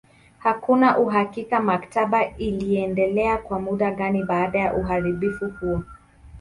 Hakuna uhakika maktaba iliendelea kwa muda gani baada ya uharibifu huo.